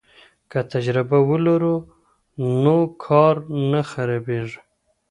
که تجربه ولرو نو کار نه خرابیږي.